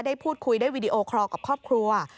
ได้พูดคุยได้วีดีโอคอร์กับครอบครัว